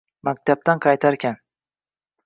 Maktabdan qaytarkan